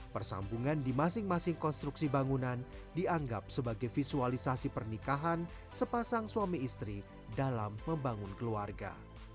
persambungan di masing masing konstruksi bangunan dianggap sebagai visualisasi pernikahan sepasang suami istri dalam membangun keluarga